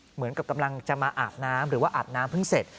เหมือนกับกำลังจะมาอาบน้ำหรือว่าอาบน้ำเพิ่งเสร็จ